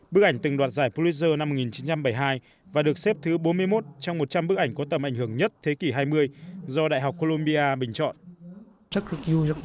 bức ảnh từng đoạt giải pulitzer năm một nghìn chín trăm bảy mươi hai và được xếp thứ bốn mươi một trong một trăm linh bức ảnh có tầm ảnh hưởng nhất thế kỷ hai mươi do đại học colombia bình chọn